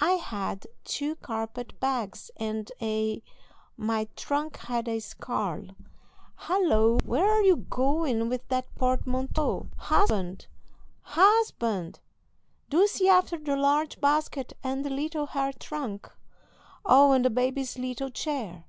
I had two carpet bags and a My trunk had a scarle Halloo! where are you going with that portmanteau? Husband! Husband! do see after the large basket and the little hair trunk Oh, and the baby's little chair!"